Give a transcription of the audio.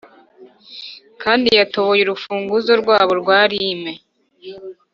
kandi yatoboye urufunguzo rwabo rwa lime.